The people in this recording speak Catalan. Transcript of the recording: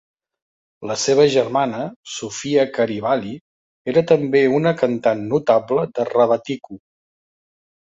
La seva germana, Sofia Karivali, era també una cantant notable de rebetiko.